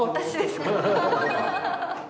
アハハハ。